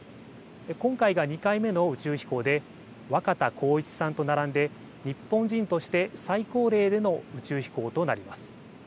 今回が２回目の宇宙飛行で若田光一さんと並んで日本人として最高齢での宇宙飛行となります。